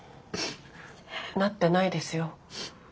なってないですよ。